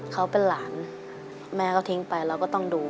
เขาเป็นหลานแม่ก็ทิ้งไปเราก็ต้องดู